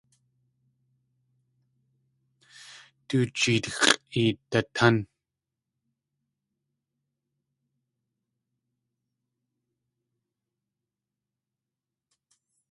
Du jeet x̲ʼeedatán!